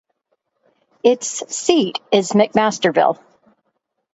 Its seat is McMasterville.